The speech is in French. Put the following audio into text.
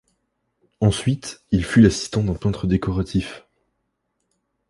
Ensuite, il fut l'assistant d'un peintre décoratif.